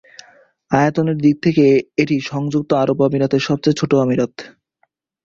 আয়তনের দিক থেকে এটি সংযুক্ত আরব আমিরাতের সবচেয়ে ছোট আমিরাত।